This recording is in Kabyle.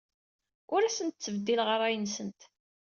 Ur asent-ttbeddileɣ ṛṛay-nsent.